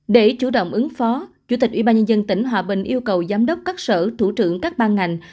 để chủ động ứng phó chủ tịch ubnd tỉnh hòa bình yêu cầu giám đốc các sở thủ trưởng các ban ngành